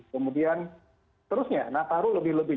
kemudian terusnya nataru lebih lebih